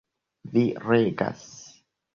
Vi regas!